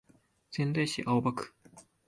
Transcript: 仙台市青葉区